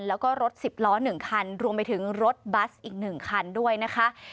แล้วก็รถ๑๐ล้อ๑คันรวมไปถึงรถบัสอีก๑คันด้วยนะคะ